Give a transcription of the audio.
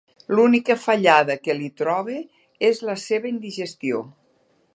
L'única fallada que li trobe és la seva indigestió.